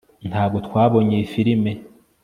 Ntabwo twabonye iyi firime